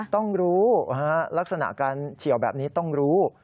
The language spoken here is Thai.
ต้องรู้ลักษณะการเฉียวแบบนี้ต้องรู้